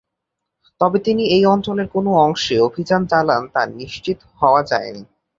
তবে তিনি এই অঞ্চলের কোন অংশে অভিযান চালান তা নিশ্চিত হওয়া যায়নি।